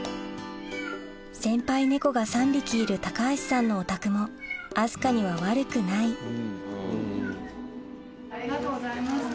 先輩ネコが３匹いる高橋さんのお宅も明日香には悪くないありがとうございました。